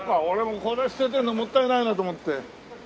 俺これ捨ててるのもったいないなと思って。